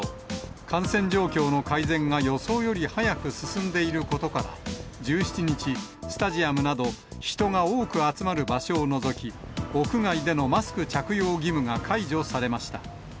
感染状況の改善が予想より早く進んでいることから、１７日、スタジアムなど、人が多く集まる場所を除き、屋外でのマスク着用義務が解除されました。